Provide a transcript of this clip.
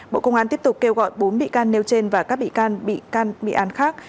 bộ công an tiếp tục kêu gọi bốn bị can nêu trên và các bị can bị can bị an khác